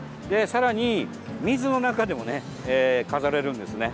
さらに、水の中でもね飾れるんですね。